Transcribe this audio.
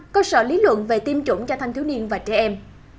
cơ sở lý luận về tiêm chủng cho thanh thiếu niên và trẻ em